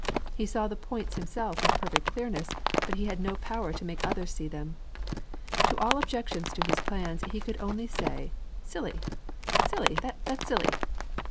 He saw the points himself with perfect clearness, but he had no power to make others see them. To all objections to his plans, he could only say, "Silly, silly, that's silly."